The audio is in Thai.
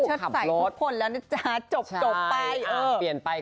เชิดใส่ทุกคนแล้วนะจ๊ะจบไป